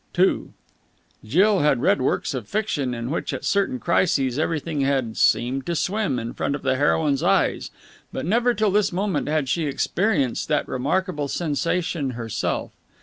II Jill had read works of fiction in which at certain crises everything had "seemed to swim" in front of the heroine's eyes, but never till this moment had she experienced that remarkable sensation herself.